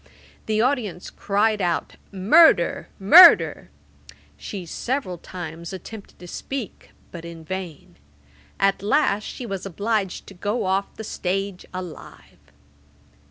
The audience cried out "Murder! Murder!" She several times attempted to speak; but in vain. At last she was obliged to go off the stage alive.'